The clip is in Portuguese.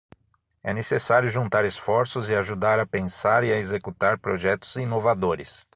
É necessário juntar esforços e ajudar a pensar e a executar projetos inovadores